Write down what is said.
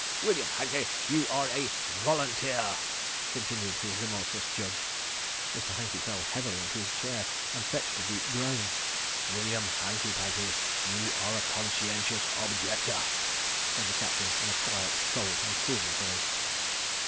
"William Hankey, you are a volunteer," continued his remorseless judge. Mr. Hankey fell heavily into his chair, and fetched a deep groan. "William Hankey Pankey—you are a conscientious objector," said the Captain in a quiet, cold and cruel voice.